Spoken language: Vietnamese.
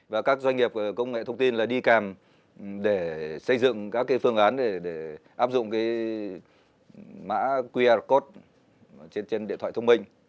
và các doanh nghiệp công nghệ thông tin là đi kèm để xây dựng các phương án để áp dụng mã qr code trên điện thoại thông minh